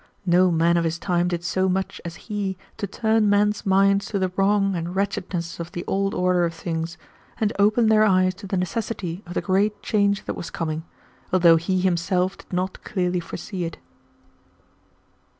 No man of his time did so much as he to turn men's minds to the wrong and wretchedness of the old order of things, and open their eyes to the necessity of the great change that was coming, although he himself did not clearly foresee it."